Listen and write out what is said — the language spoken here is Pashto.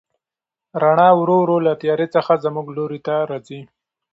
رڼا ورو ورو له تیارې څخه زموږ لوري ته راځي.